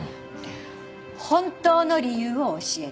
本当の理由を教えて。